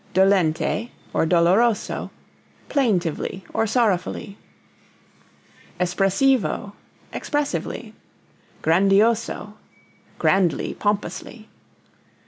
Dolente } Doloroso } plaintively or sorrowfully. Espressivo expressively. Grandioso grandly, pompously.